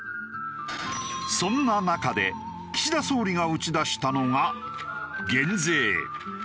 そんな中で岸田総理が打ち出したのが減税。